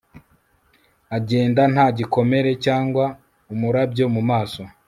agenda nta gikomere, cyangwa umurabyo mu maso